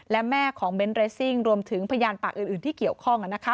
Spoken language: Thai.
และแม่ของเบนท์เรสซิ่งรวมถึงพยานปากอื่นที่เกี่ยวข้อง